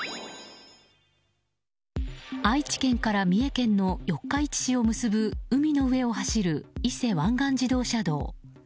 愛知県から三重県の四日市市を結ぶ海の上を走る伊勢湾岸自動車道。